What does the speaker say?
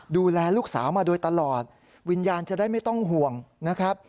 ดูแลลูกสาวมาโดยตลอดวิญญาณจะได้ไม่ต้องห่วงนะครับ